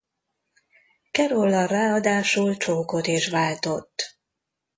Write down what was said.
Carollal ráadásul csókot is váltott.